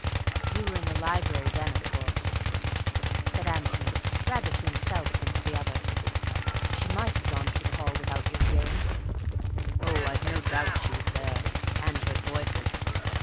"You were in the library then, of course," said Antony, rather to himself than to the other. "She might have gone through the hall without your hearing." "Oh, I've no doubt she was there, and heard voices.